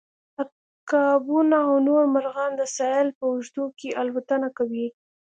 عقابونه او نور مرغان د ساحل په اوږدو کې الوتنه کوي